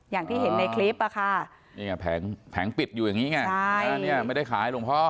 อย่างที่เห็นในคลิปอะค่ะเนี่ยแผงปิดอยู่อย่างนี้ไงไม่ได้ขายหลวงพ่อ